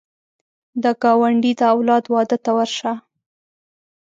د ګاونډي د اولاد واده ته ورشه